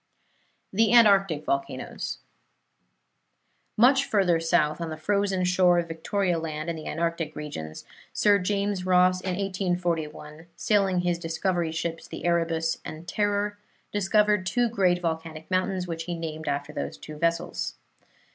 THE ANTARCTIC VOLCANOES Much further south, on the frozen shore of Victoria Land in the Antarctic regions, Sir James Ross, in 1841, sailing in his discovery ships the Erebus and Terror, discovered two great volcanic mountains, which he named after those two vessels.